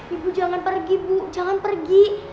ibu jangan pergi bu jangan pergi